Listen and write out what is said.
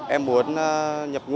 em muốn nhập ngũ